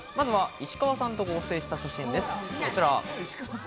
石川さんと合成した写真です。